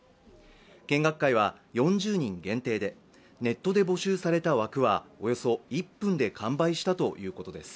見学会は４０人限定で、ネットで募集された枠はおよそ１分で完売したということです。